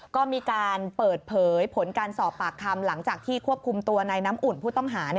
ก็มีการเปิดเผยผลการสอบปากคำหลังจากที่ควบคุมตัวในน้ำอุ่นผู้ต้องหา